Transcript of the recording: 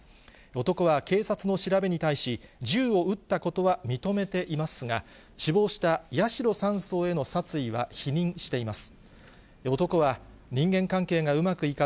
男は警察の調べに対し、銃を撃ったことは認めていますが、死亡した八代３曹への殺意は否認しています。